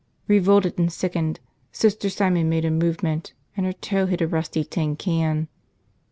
... Revolted and sickened, Sister Simon made a movement and her toe hit a rusty tin can.